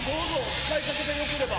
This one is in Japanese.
使いかけでよければ。